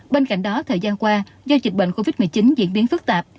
bên cạnh đó thời gian qua do dịch bệnh covid một mươi chín diễn biến phức tạp